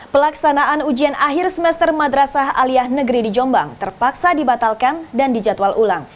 pelaksanaan ujian akhir semester madrasah alia negeri di jombang terpaksa dibatalkan dan dijadwal ulang